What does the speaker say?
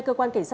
cơ quan cảnh sát